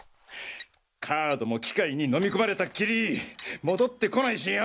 カードも機械にのみこまれたっきり戻ってこないしよ。